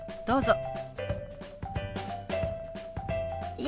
どうぞ。